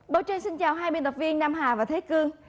báo trên xin chào hai biên tập viên nam hà và thế cương